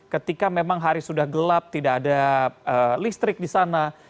ketika memang hari sudah gelap tidak ada listrik di sana